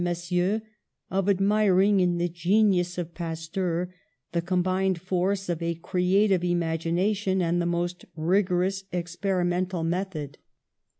Mes sieurs, of admiring in the genius of Pasteur the combined force of a creative imagination and the most rigorous experimental method.